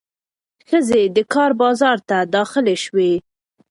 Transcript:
ښځې د کار بازار ته داخلې شوې.